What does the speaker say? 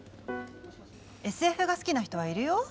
ＳＦが好きな人はいるよ？